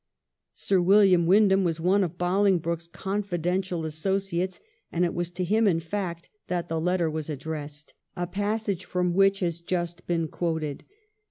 Sir WiUiam Windham was one of Bohngbroke's confidential associates, and it was to him, in fact, that the letter was addressed, a passage from which has just been quoted.